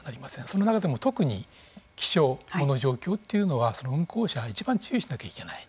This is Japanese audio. その中でも特に気象の状況というのはその運航者がいちばん注意をしないといけない。